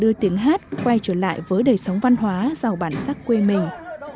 đưa tiếng hát quay trở lại với đời sống văn hóa giàu bản sắc quê mình